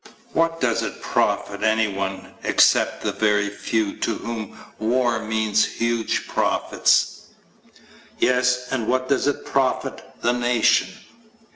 What does it profit anyone except the very few to whom war means huge profits? Yes, and what does it profit the nation?